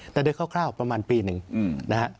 แต่ด้วยคร่าวประมาณปีหนึ่งนะฮะ